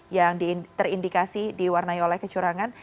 yang terindikasi diwarnai oleh kecurangan